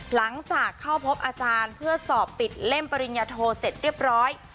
หลังจากเข้าพบอาจารย์เพื่อสอบปิดเล่มปริญญาโทเสร็จเรียบร้อย